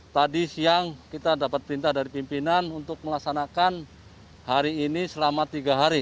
tadi siang kita dapat perintah dari pimpinan untuk melaksanakan hari ini selama tiga hari